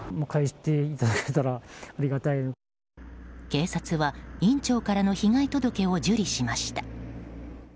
警察は、院長からの被害届を受理しました。